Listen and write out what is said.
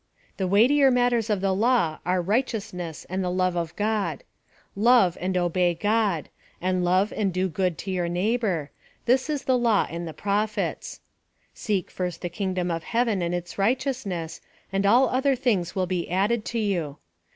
The weightier matters of the law are righteousness and the love of God. Love and obey God ; and love and do good to your neighbor, Ihis is the Law and the Prophets. Seek first the kingdom of heaven and its righteousness ; and all other things will be added to you.